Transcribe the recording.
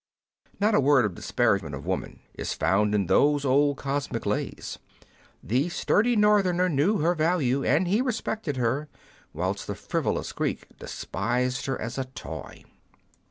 Not a word of disparagement of woman is found in those old cosmic lays. The sturdy Northerner knew her value, and he respected her, whilst the frivolous Greek despised her as a toy.